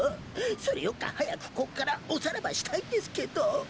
それよっか早くこっからおさらばしたいんですけどぉ。